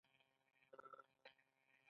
پایلې د نظریې ادعاوې تاییدوي.